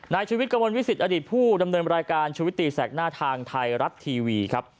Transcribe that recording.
ชีวิตกระมวลวิสิตอดีตผู้ดำเนินรายการชุวิตตีแสกหน้าทางไทยรัฐทีวีครับ